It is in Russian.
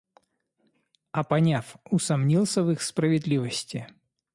А поняв, усумнился в их справедливости?